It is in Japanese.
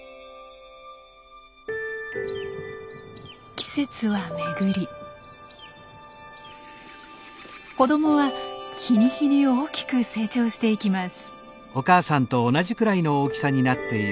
季節はめぐり子どもは日に日に大きく成長していきます。